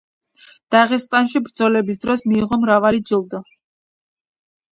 დაღესტანში ბრძოლების დროს მიიღო მრავალი ჯილდო.